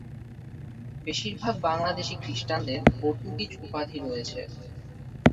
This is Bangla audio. বেশিরভাগ বাংলাদেশী খ্রিস্টানদের পর্তুগিজ উপাধি রয়েছে।